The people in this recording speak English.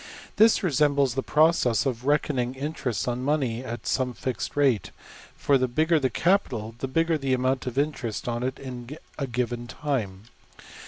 This resembles the process of reckoning interest on money at some fixed rate; for the bigger the capital, the bigger the amount of interest on it in a given time.